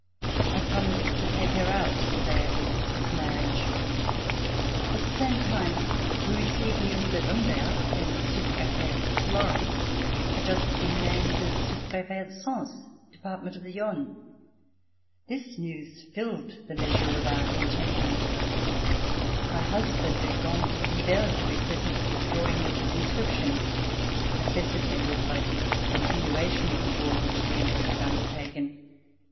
I promised to take her out the day of her sister's marriage. At the same time we received news that Humbert, then sous prefet at Florence, had just been named as sous prefet at Sens, Department of the Yonne. This news filled the measure of our contentment. [ 369 ] RECOLLECTIONS OF THE REVOLUTION My husband had gone to Nivelles to be present at the drawing of the conscription necessitated by the continuation of the war which the Emperor had undertaken.